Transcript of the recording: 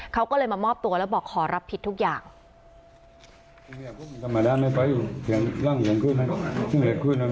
เขาก็เลยมามอบตัวแล้วบอกขอรับผิดทุกอย่าง